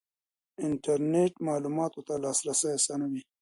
انټرنېټ معلوماتو ته لاسرسی اسانوي.